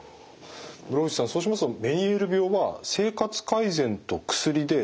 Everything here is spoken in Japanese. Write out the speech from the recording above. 室伏さんそうしますとメニエール病は生活改善と薬で治せるものですか？